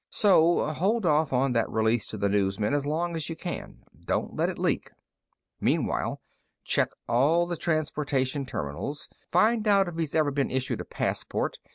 So hold off on that release to the newsmen as long as you can. Don't let it leak. "Meanwhile, check all the transportation terminals. Find out if he's ever been issued a passport.